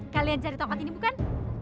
kalian cari tempat ini bukan